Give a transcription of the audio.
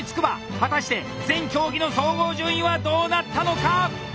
果たして全競技の総合順位はどうなったのか？